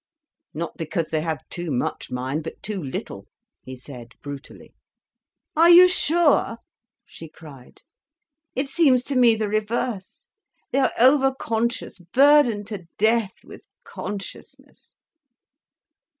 "Not because they have too much mind, but too little," he said brutally. "Are you sure?" she cried. "It seems to me the reverse. They are over conscious, burdened to death with consciousness."